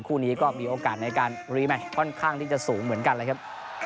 คู่นี้ก็มีโอกาสในการรีแมทค่อนข้างที่จะสูงเหมือนกันเลยครับ